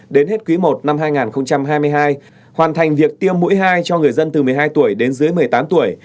đến hết quý i năm hai nghìn hai mươi hai hoàn thành việc tiêm mũi hai cho người dân từ một mươi hai tuổi đến dưới một mươi tám tuổi